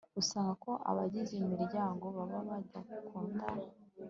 usanga ko abagize imiryango baba badakunda